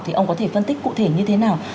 thì ông có thể phân tích cụ thể như thế nào